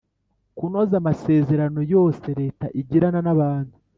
kunoza amasezerano yose Leta igirana n’abantu